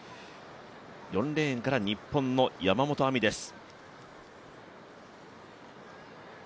４レーンから日本の山本亜美です。